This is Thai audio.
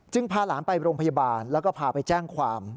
พาหลานไปโรงพยาบาลแล้วก็พาไปแจ้งความ